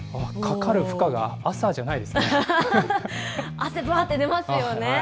汗、ばーって出ますよね。